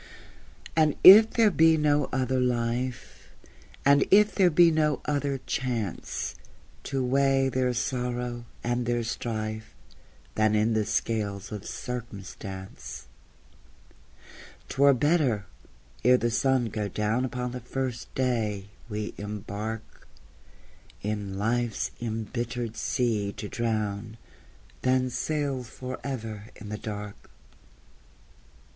And if there be no other life, And if there be no other chance To weigh their sorrow and their strife Than in the scales of circumstance, 'T were better, ere the sun go down Upon the first day we embark, In life's imbittered sea to drown, Than sail forever in the dark.